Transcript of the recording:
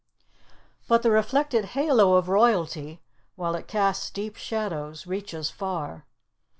But the reflected halo of royalty, while it casts deep shadows, reaches far.